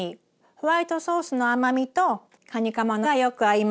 ホワイトソースの甘みとカニカマがよく合います。